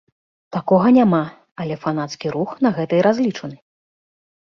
Такога няма, але фанацкі рух на гэта і разлічаны!